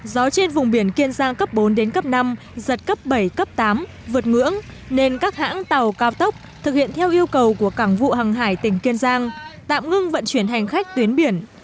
gió trên vùng biển kiên giang cấp bốn đến cấp năm giật cấp bảy cấp tám vượt ngưỡng nên các hãng tàu cao tốc thực hiện theo yêu cầu của cảng vụ hàng hải tỉnh kiên giang tạm ngưng vận chuyển hành khách tuyến biển